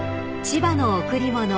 ［『千葉の贈り物』］